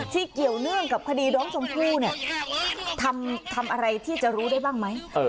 ที่เกี่ยวเนื่องกับคดีดำสมภู่เนี่ยทำทำอะไรที่จะรู้ได้บ้างไหมเออ